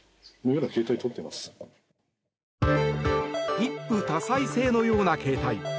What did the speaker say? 一夫多妻制のような形態。